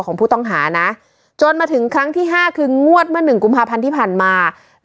ของผู้ต้องหาจนมาถึงครั้งที่๕คืงงวดมา๑กุมภพันธิพันธุ์มาลงทุนไปกว่า๖๐๐บาท